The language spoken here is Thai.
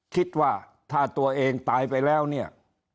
คิดว่าถ้าตัวเองตายไปแล้วเนี่ย